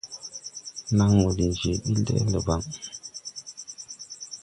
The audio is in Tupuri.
Naŋmo diŋ je ɓil de-ɛl debaŋ.